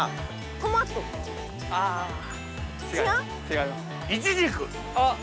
あ！あ。